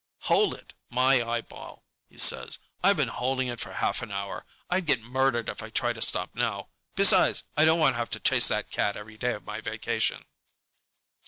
"Hold it, my eyeball!" he says. "I've been holding it for half an hour. I'd get murdered if I tried to stop now. Besides, I don't want to chase that cat every day of my vacation."